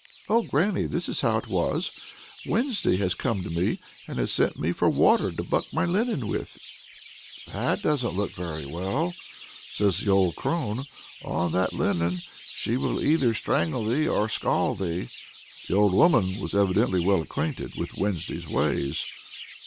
"Oh, granny, this is how it was. Wednesday has come to me, and has sent me for water to buck my linen with." "That doesn't look well," says the old crone. "On that linen she will either strangle thee or scald thee." The old woman was evidently well acquainted with Wednesday's ways.